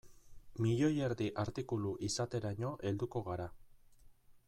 Milioi erdi artikulu izateraino helduko gara.